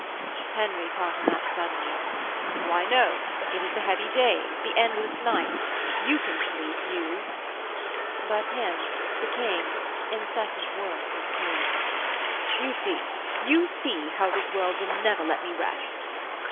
Henry caught him up suddenly: 'Why, no. It is the heavy days, the endless nights. You can sleep, you.' But him, the King, incessant work was killing. 'You see, you see, how this world will never let me rest.'